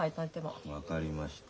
分かりました。